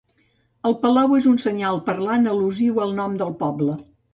El palau és un senyal parlant al·lusiu al nom del poble.